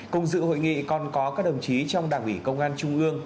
cùng dự hội nghị còn có các đồng chí trong đảng ủy công an trung ương